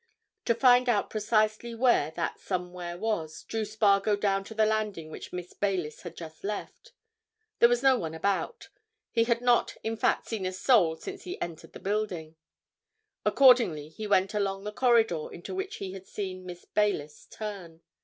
To find out precisely where that somewhere was drew Spargo down to the landing which Miss Baylis had just left. There was no one about—he had not, in fact, seen a soul since he entered the building. Accordingly he went along the corridor into which he had seen Miss Baylis turn.